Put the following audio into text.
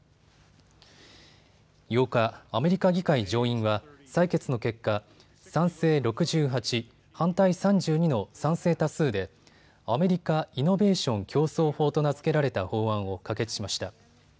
８日、アメリカ議会上院は採決の結果、賛成６８、反対３２の賛成多数でアメリカ・イノベーション競争法と名付けられた法案を可決しました。